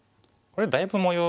これだいぶん模様